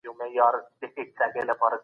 هر څوک د خپل شخصیت د ساتلو حق لري.